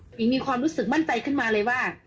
มีความรู้สึกมั่นใจขึ้นมาเลยว่า